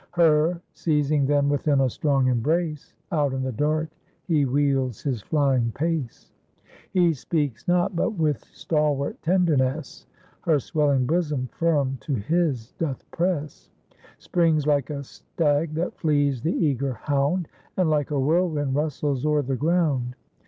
Her, seizing then within a strong embrace, Out in the dark he wheels his flying pace; He speaks not, but with stalwart tenderness Her swelling bosom firm to his doth press; Springs like a stag that flees the eager hound, And like a whirlwind rustles o'er the ground.